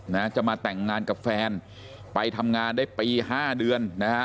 นะจะมาแต่งงานกับแฟนไปทำงานได้ปีห้าเดือนนะฮะ